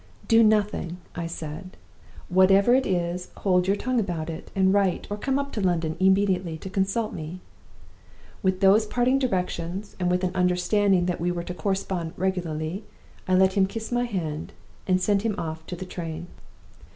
'Do nothing,' I said. 'Whatever it is, hold your tongue about it, and write, or come up to London immediately to consult me.' With those parting directions, and with an understanding that we were to correspond regularly, I let him kiss my hand, and sent him off to the train.